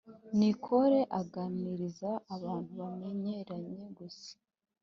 Nicole aganiriza abantu bamenyeranye gusa